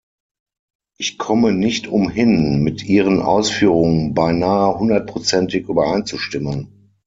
Ich komme nicht umhin, mit Ihren Ausführungen beinahe hundertprozentig übereinzustimmen.